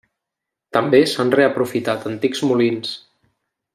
També s'han reaprofitat antics molins.